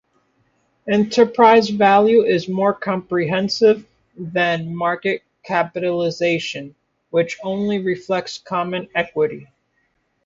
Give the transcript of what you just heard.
Enterprise value is more comprehensive than market capitalization, which only reflects common equity.